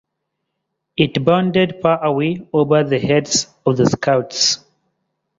It bounded far away over the heads of the scouts.